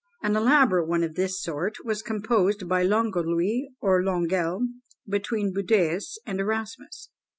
An elaborate one of this sort was composed by Longolius or Longuel, between Budæus and Erasmus.